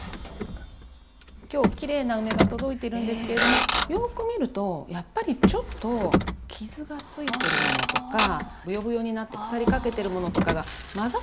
今日きれいな梅が届いてるんですけれどもよく見るとやっぱりちょっと傷がついてるものとかブヨブヨになって腐りかけてるものとかがまざってることがあるんです。